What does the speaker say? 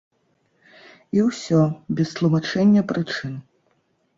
І ўсё, без тлумачэння прычын.